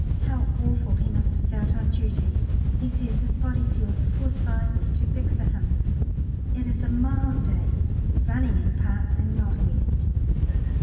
How awful he must have felt on duty. He says his body feels "four sizes too big for him." It is a mild day, sunny in parts, and not wet.